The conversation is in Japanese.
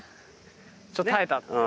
ちょっと耐えたって。